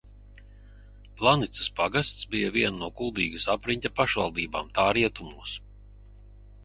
Planicas pagasts bija viena no Kuldīgas apriņķa pašvaldībām tā rietumos.